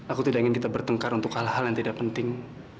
aku tidak ingin kita bertengkar untuk hal hal yang tidak penting